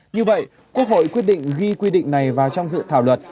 như vậy quốc hội quyết định ghi quy định này vào trong dự thảo luật